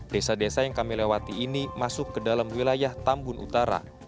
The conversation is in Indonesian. desa desa yang kami lewati ini masuk ke dalam wilayah tambun utara